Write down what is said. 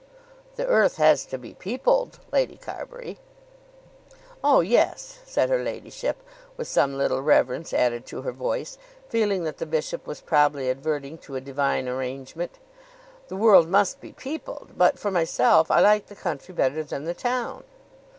"The earth has to be peopled, Lady Carbury." "Oh, yes," said her ladyship, with some little reverence added to her voice, feeling that the bishop was probably adverting to a divine arrangement. "The world must be peopled; but for myself I like the country better than the town."